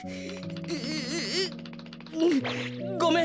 ごめん！